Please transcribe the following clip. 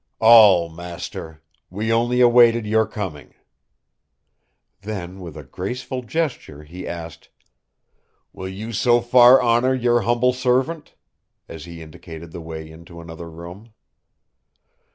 "All, master. We only awaited your coming." Then with a graceful gesture he asked, "Will you so far honor your humble servant?" as he indicated the way into another room.